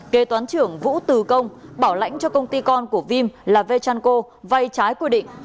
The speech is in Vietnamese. kế toán trưởng vũ từ công bảo lãnh cho công ty con của vim là vechanco vay trái quy định